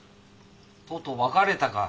とうとう別れたか。